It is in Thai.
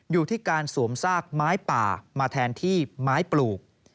อยู่ที่การสวมซากไม้ป่ามาแทนที่ไม้ปลูก